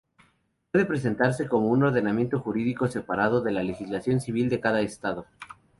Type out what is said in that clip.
Puede presentarse como un ordenamiento jurídico separado de la legislación civil de cada Estado.